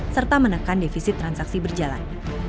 serta menekan defisit transaksi berjalan